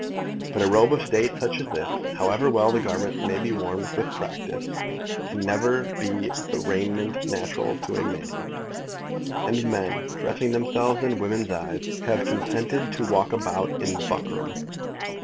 But a robe of State such as this, however well the garment may be worn with practice, can never be the raiment natural to a man; and men, dressing themselves in women's eyes, have consented to walk about in buckram.